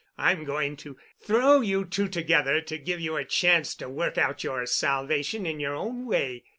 I'm going to throw you two together—to give you a chance to work out your salvation in your own way.